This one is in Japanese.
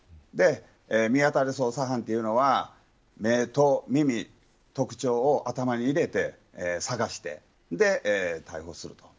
見当たり捜査班というのは目と耳、特徴を頭に入れて探して、逮捕する。